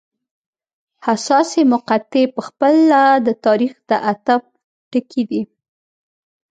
حساسې مقطعې په خپله د تاریخ د عطف ټکي دي.